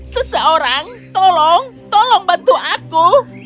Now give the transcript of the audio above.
seseorang tolong tolong bantu aku